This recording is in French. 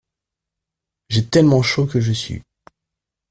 J’ai tellement chaud que je sue.